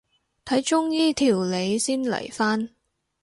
睇中醫調理先嚟返